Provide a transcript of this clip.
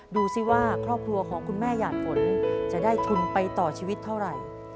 ดูสิว่าครอบครัวของคุณแม่หยาดฝนจะได้ทุนไปต่อชีวิตเท่าไหร่